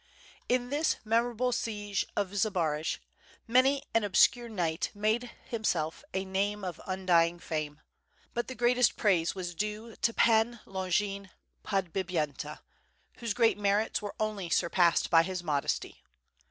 In this memorable siege of Zbaraj m^ny an obscure knight made himself a name of undying fame, but the greatest praise was due to Pan Longin Podbipyenta, whose great merits were only surpassed by his modesty.